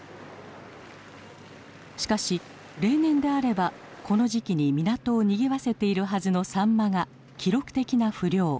しかし例年であればこの時期に港をにぎわせているはずのさんまが記録的な不漁。